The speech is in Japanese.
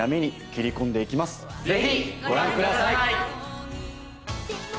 ぜひご覧ください。